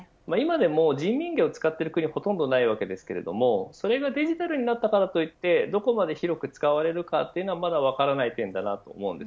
今でも人民元を使っている国はほとんどないわけですがそれがデジタルになったからといってどこまで広く使われるかというのはまだ分かりません。